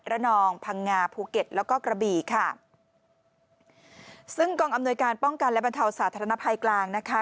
นองพังงาภูเก็ตแล้วก็กระบี่ค่ะซึ่งกองอำนวยการป้องกันและบรรเทาสาธารณภัยกลางนะคะ